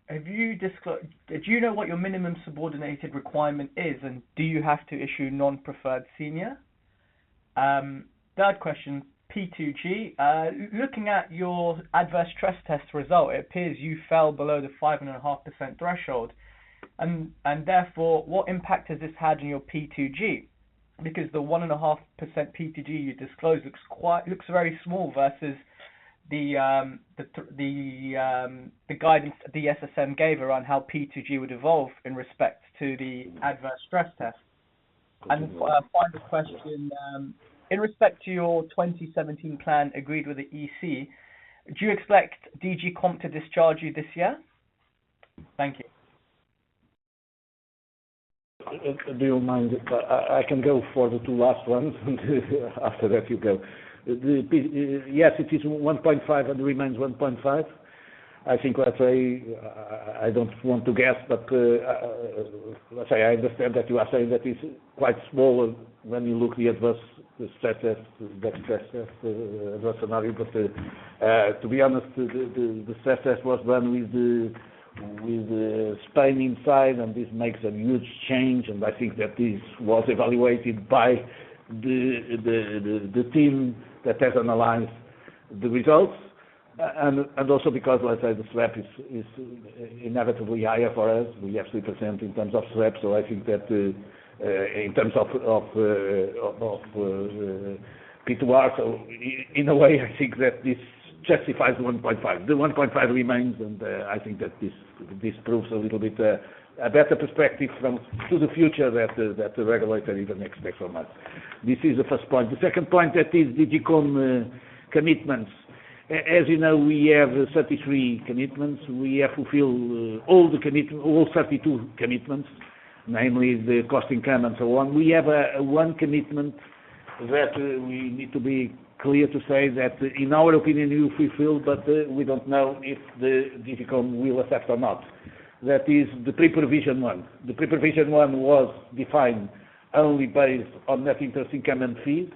do you know what your minimum subordinated requirement is, and do you have to issue senior non-preferred? Third question, P2G. Looking at your adverse stress test result, it appears you fell below the 5.5% threshold and therefore, what impact has this had on your P2G? Because the 1.5% P2G you disclosed looks very small versus the guidance the SSM gave around how P2G would evolve in respect to the adverse stress test. Final question, in respect to your 2017 plan agreed with the EC, do you expect DG COMP to discharge you this year? Thank you. Do you mind if I can go for the two last ones, and after that, you go. Yes, it is 1.5 and remains 1.5. I think let's say I don't want to guess, but let's say I understand that you are saying that it's quite small when you look at the adverse stress test scenario. To be honest, the stress test was run with Spain inside, and this makes a huge change. I think that this was evaluated by the team that has analyzed the results. Also because the swap is inevitably higher for us. We have 3% in terms of swap. I think that in terms of P2R. In a way, I think that this justifies the 1.5. The 1.5 remains, and I think that this proves a little bit a better perspective for the future that the regulator even expects from us. This is the first point. The second point, that is DG COMP commitments. As you know, we have 33 commitments. We have fulfilled all the 32 commitments, namely the cost income and so on. We have one commitment that we need to be clear to say that in our opinion, we fulfilled, but we don't know if the DG COMP will accept or not. That is the pre-provision one. The pre-provision one was defined only based on net interest income and fees.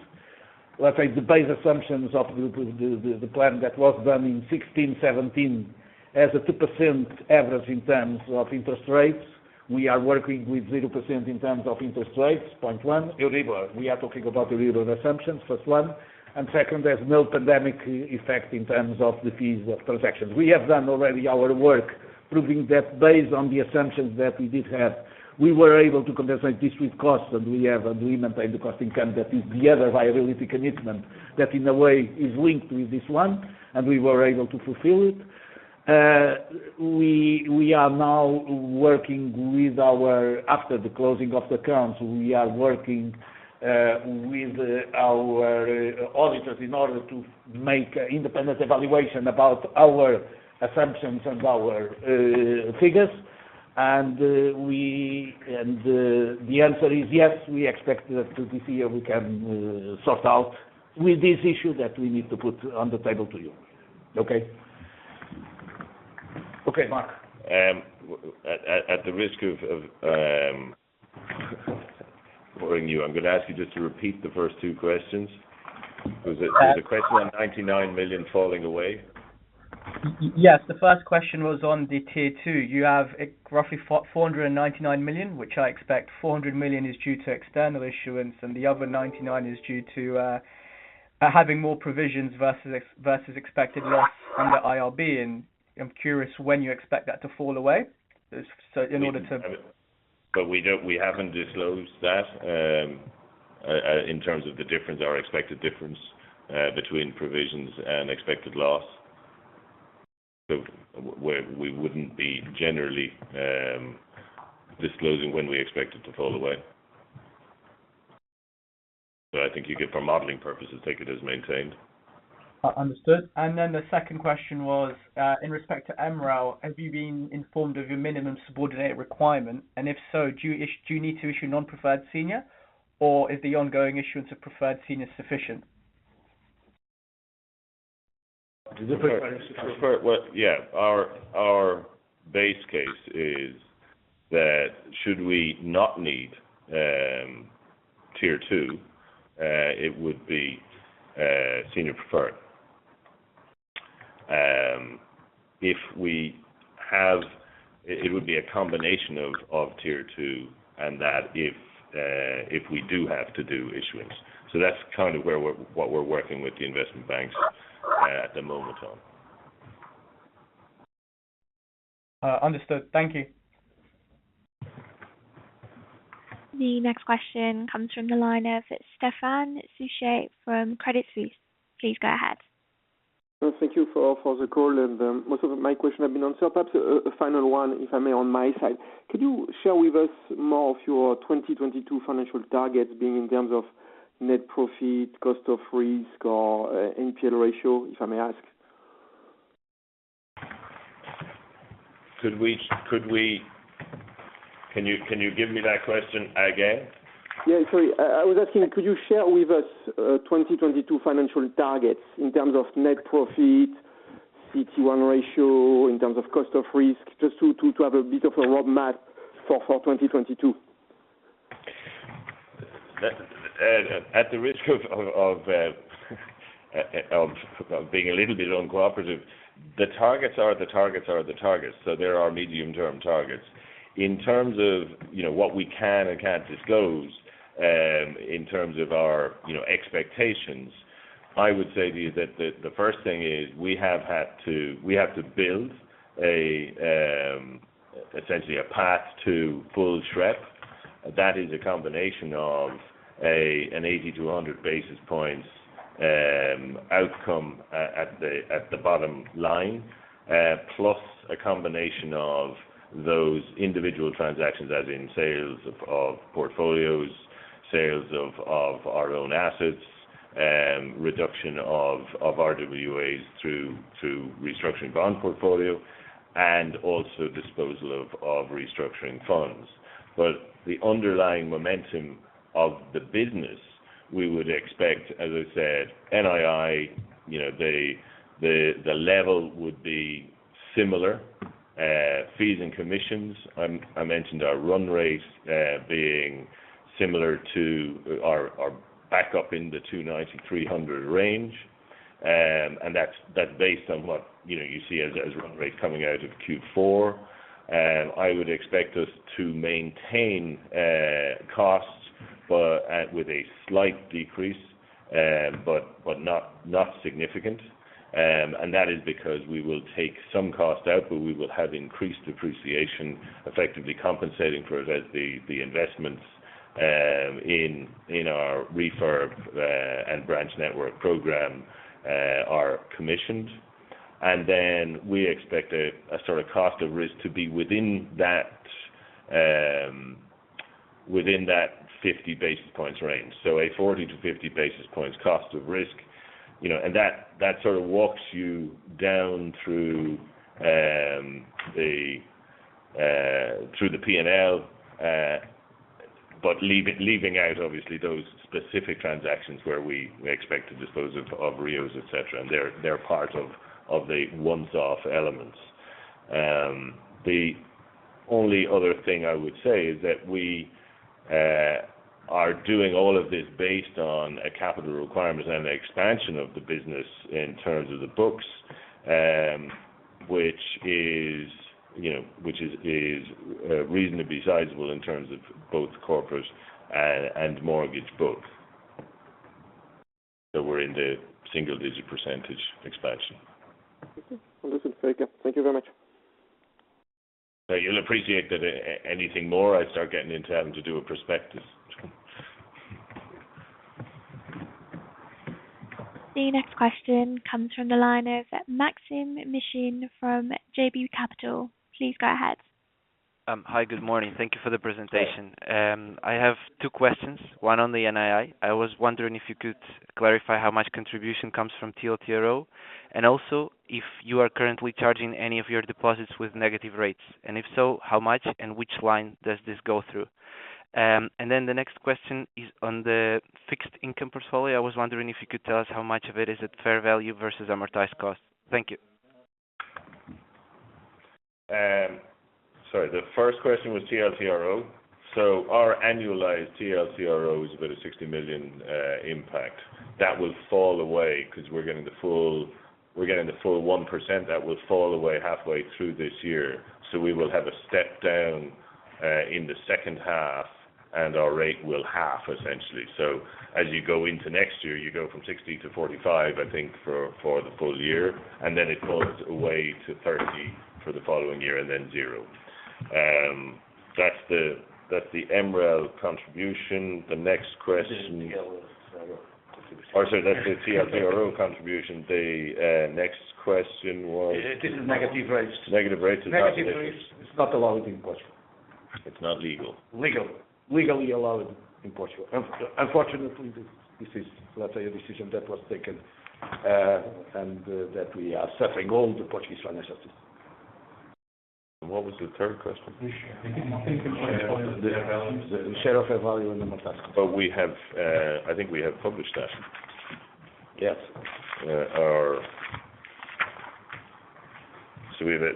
Let's say the base assumptions of the plan that was done in 2016, 2017 has a 2% average in terms of interest rates. We are working with 0% in terms of interest rates, 0.1 Euribor. We are talking about the Euribor assumptions, first one. Second, there's no pandemic effect in terms of the fees of transactions. We have done already our work proving that based on the assumptions that we did have, we were able to compensate this with costs, and we have implemented the cost income that is the other viability commitment that in a way is linked with this one, and we were able to fulfill it. We are now working with our auditors. After the closing of accounts, we are working with our auditors in order to make independent evaluation about our assumptions and our figures. The answer is yes, we expect that this year we can sort out with this issue that we need to put on the table to you. Okay. Okay, Mark. At the risk of boring you, I'm gonna ask you just to repeat the first two questions. Was it...Was the question on 99 million falling away? Yes. The first question was on the tier two. You have roughly 499 million, which I expect 400 million is due to external issuance and the other 99 is due to having more provisions versus expected loss under IRB. I'm curious when you expect that to fall away. In order to- We don't, we haven't disclosed that, in terms of the difference or expected difference, between provisions and expected loss. We wouldn't be generally, disclosing when we expect it to fall away. I think you could, for modeling purposes, take it as maintained. Understood. The second question was, in respect to MREL, have you been informed of your minimum subordination requirement? If so, do you need to issue non-preferred senior or is the ongoing issuance of preferred senior sufficient? Our base case is that should we not need Tier 2, it would be Senior Non-Preferred. If we do have to do issuance, it would be a combination of Tier 2 and that. That's kind of what we're working with the investment banks at the moment on. Understood. Thank you. The next question comes from the line of Stéphane Suchet from Credit Suisse. Please go ahead. Thank you for the call. Most of my question have been answered. Perhaps a final one, if I may, on my side. Could you share with us more of your 2022 financial targets being in terms of net profit, cost of risk or NPL ratio, if I may ask? Can you give me that question again? Yeah, sorry. I was asking, could you share with us, 2022 financial targets in terms of net profit, CET1 ratio, in terms of cost of risk, just to have a bit of a roadmap for 2022? At the risk of being a little bit uncooperative, the targets are the targets. There are medium-term targets. In terms of, you know, what we can and can't disclose, in terms of our, you know, expectations, I would say to you that the first thing is we have to build essentially a path to full SREP. That is a combination of an 80-100 basis points outcome at the bottom line, plus a combination of those individual transactions as in sales of portfolios, sales of our own assets, reduction of RWAs through restructuring bond portfolio and also disposal of restructuring funds. The underlying momentum of the business, we would expect, as I said, NII, you know, the level would be similar. Fees and commissions, I mentioned our run rate being similar to our backup in the 290-300 range. And that's based on what, you know, you see as run rate coming out of Q4. I would expect us to maintain costs but with a slight decrease, but not significant. And that is because we will take some cost out, but we will have increased depreciation, effectively compensating for as the investments in our refurb and branch network program are commissioned. Then we expect a sort of cost of risk to be within that 50 basis points range. A 40-50 basis points cost of risk, you know. That sort of walks you down through the P&L, but leaving out obviously those specific transactions where we expect to dispose of REOs, et cetera, and they're part of the one-off elements. The only other thing I would say is that we are doing all of this based on capital requirements and the expansion of the business in terms of the books, which is, you know, reasonably sizable in terms of both corporate and mortgage books. We're in the single-digit % expansion. Okay. Well, listen, thank you. Thank you very much. You'll appreciate that anything more, I'd start getting into having to do a prospectus. The next question comes from the line of Maximiliano Machin from JB Capital. Please go ahead. Hi, good morning. Thank you for the presentation. Hi. I have two questions, one on the NII. I was wondering if you could clarify how much contribution comes from TLTRO, and also if you are currently charging any of your deposits with negative rates, and if so, how much and which line does this go through? The next question is on the fixed income portfolio. I was wondering if you could tell us how much of it is at fair value versus amortized cost. Thank you. Sorry, the first question was TLTRO. Our annualized TLTRO is about 60 million impact. That will fall away because we're getting the full 1% that will fall away halfway through this year. We will have a step down in the second half, and our rate will halve essentially. As you go into next year, you go from 60 to 45, I think for the full year, and then it falls away to 30 for the following year and then 0. That's the MREL contribution. The next question. This is TLTRO. Oh, sorry. That's the TLTRO contribution. The next question was. It is negative rates. Negative rates is how it looks. Negative rates is not allowed in Portugal. It's not legal. Legal. Legally allowed in Portugal. Unfortunately, this is, let's say, a decision that was taken, and that we are suffering all the Portuguese financial system. What was the third question? The share. I think it was the fair value. The share of fair value in the amortized cost. I think we have published that. Yes.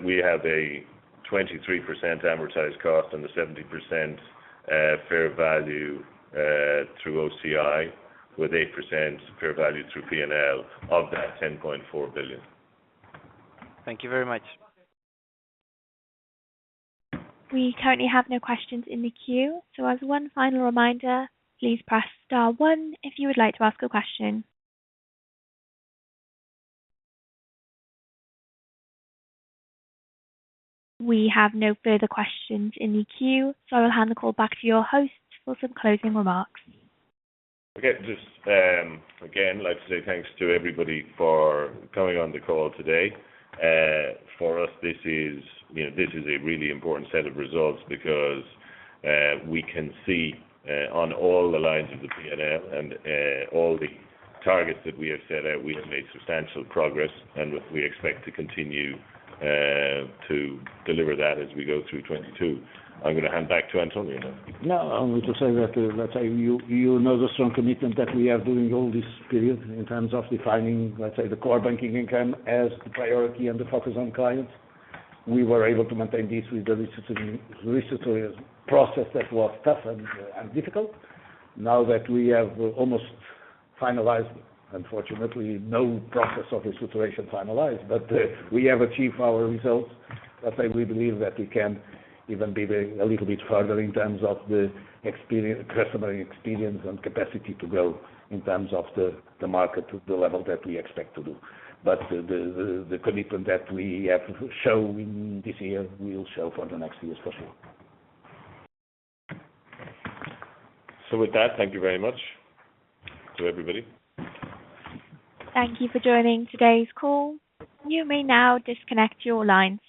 We have a 23% amortized cost and a 70% fair value through OCI, with 8% fair value through P&L of that 10.4 billion. Thank you very much. We currently have no questions in the queue. As one final reminder, please press star one if you would like to ask a question. We have no further questions in the queue. I'll hand the call back to your host for some closing remarks. Okay. Just, again, like to say thanks to everybody for coming on the call today. For us, this is, you know, this is a really important set of results because, we can see, on all the lines of the P&L and, all the targets that we have set out, we have made substantial progress, and we expect to continue, to deliver that as we go through 2022. I'm gonna hand back to António now. No, I want to say that, let's say you know the strong commitment that we are doing all this period in terms of defining, let's say, the core banking income as the priority and the focus on clients. We were able to maintain this with the restructuring process that was tough and difficult. Now that we have almost finalized, unfortunately, no process of restructuring finalized, but we have achieved our results. Let's say we believe that we can even be there a little bit further in terms of the customer experience and capacity to grow in terms of the market to the level that we expect to do. The commitment that we have shown this year will show for the next years for sure. With that, thank you very much to everybody. Thank you for joining today's call. You may now disconnect your lines.